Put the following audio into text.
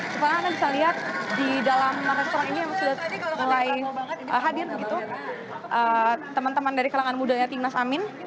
supaya anda bisa lihat di dalam restoran ini memang sudah mulai hadir begitu teman teman dari kalangan budaya timnas amin